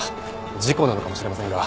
事故なのかもしれませんが。